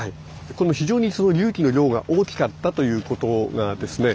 非常にその隆起の量が大きかったということがですね